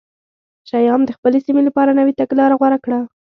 شیام د خپلې سیمې لپاره نوې تګلاره غوره کړه